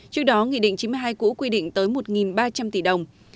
trước đó nghị định chín mươi hai cũ quy định tới một ba trăm linh tỷ đồng